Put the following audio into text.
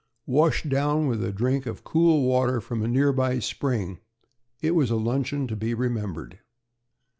Washed down with a drink of cool water from a nearby spring, it was a luncheon to be remembered.